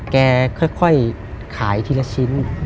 แกค่อยขายทีละชิ้น